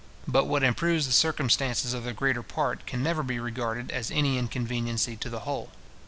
But what improves the circumstances of the greater part, can never be regarded as any inconveniency to the whole.